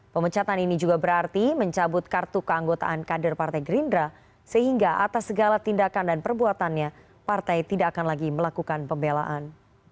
pemecatan ini juga berarti mencabut kartu keanggotaan kader partai gerindra sehingga atas segala tindakan dan perbuatannya partai tidak akan lagi melakukan pembelaan